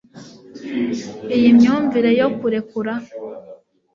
iyi myumvire yo kurekura